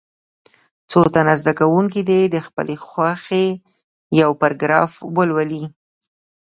څو تنه زده کوونکي دې د خپلې خوښې یو پاراګراف ولولي.